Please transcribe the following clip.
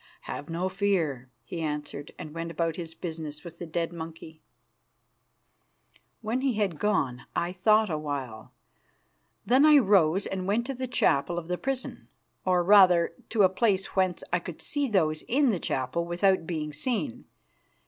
"Have no fear," he answered; and went about his business with the dead monkey. When he had gone I thought a while. Then I rose, and went to the chapel of the prison, or, rather, to a place whence I could see those in the chapel without being seen.